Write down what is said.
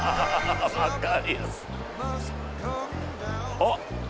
「あっ！